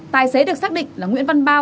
tài xế được xác định là nguyễn văn ba